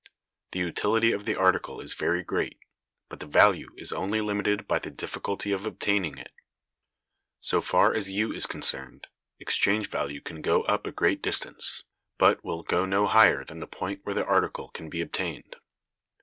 The utility of the article is very great, but the value is only limited by the difficulty of obtaining it. So far as U is concerned, exchange value can go up a great distance, but will go no higher than the point where the article can be obtained.